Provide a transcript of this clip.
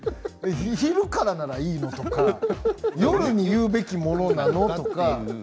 昼からならいいの？とか夜に言うべきものなの？とか。